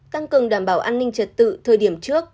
tăng cường đảm bảo an ninh trật tự thời điểm trước